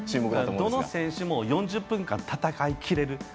どの選手も４０分間戦い切れる。